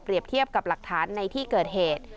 เทียบกับหลักฐานในที่เกิดเหตุ